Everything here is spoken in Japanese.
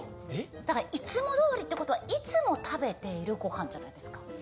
だからいつもどおりってことは、いつも食べているごはんじゃないですか。